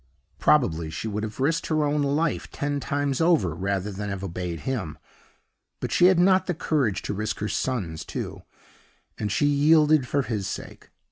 Probably she would have risked her own life ten times over rather than have obeyed him; but she had not the courage to risk her son's too; and she yielded for his sake.